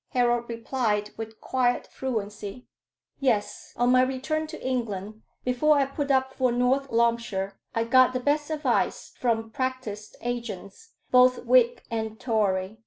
Harold replied, with quiet fluency "Yes; on my return to England, before I put up for North Loamshire, I got the best advice from practised agents, both Whig and Tory.